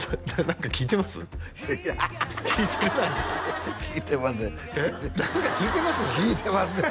何か聞いてますよね？